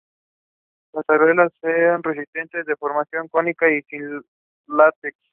Las areolas son resistentes, de forma cónica y sin látex.